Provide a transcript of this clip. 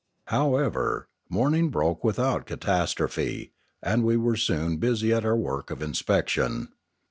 However, morning broke without catastrophe, and we were soon busy at our work of inspection.